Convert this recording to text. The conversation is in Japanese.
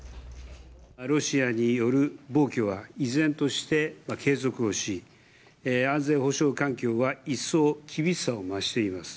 ロシアによる暴挙は、依然として継続をし、安全保障環境は一層厳しさを増しています。